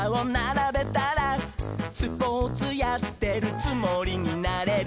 「スポーツやってるつもりになれる」